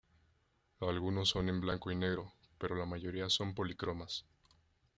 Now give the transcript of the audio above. Algunos son en blanco y negro, pero la mayoría son polícromas.